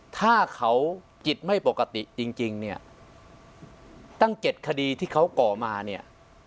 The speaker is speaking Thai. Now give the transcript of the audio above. ถ้าเขาจิตไม่ปกติจริงเนี่ยตั้ง๗คดีที่เขาก่อมาเนี่ย